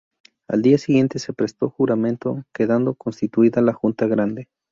Al día siguiente se prestó juramento, quedando constituida la Junta Grande.